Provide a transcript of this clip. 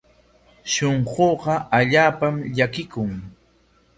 Shunquuqa allaapam llakikun.